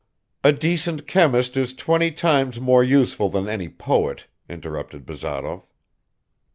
." "A decent chemist is twenty times more useful than any poet," interrupted Bazarov.